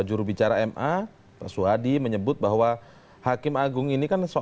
terima kasih pak gaius